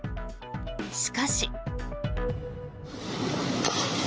しかし。